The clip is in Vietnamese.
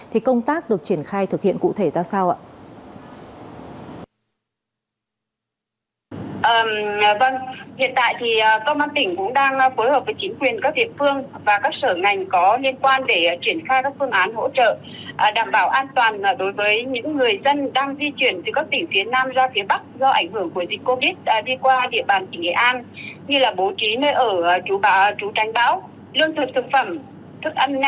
thì công tác được triển khai thực hiện cụ thể ra sao ạ